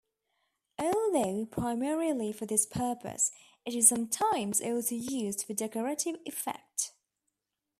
Although primarily for this purpose, it is sometimes also used for decorative effect.